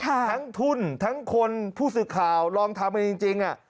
ทั้งทุนทั้งคนผู้สื่อข่าวลองทำมันจริง